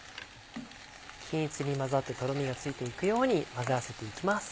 均一に混ざってとろみがついていくように混ぜ合わせていきます。